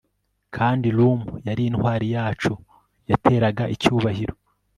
kandi rum yari intwari yacu, yateraga icyubahiro